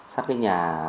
sát cái nhà